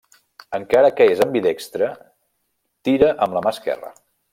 Encara que és ambidextre, tira amb la mà esquerra.